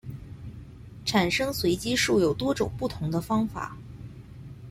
产生随机数有多种不同的方法。